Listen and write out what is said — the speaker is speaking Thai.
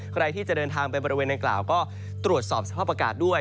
ใครที่จะเดินทางไปบริเวณนางกล่าวก็ตรวจสอบสภาพอากาศด้วย